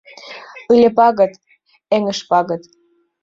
Ыле пагыт, эҥыж пагыт —